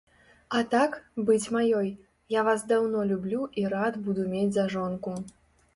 А так, быць маёй, я вас даўно люблю і рад буду мець за жонку.